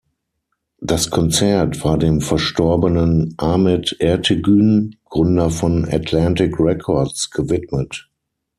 Das Konzert war dem verstorbenen Ahmet Ertegün, Gründer von Atlantic Records, gewidmet.